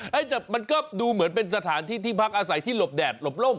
แต่มันก็ดูเหมือนเป็นสถานที่ที่พักอาศัยที่หลบแดดหลบล่ม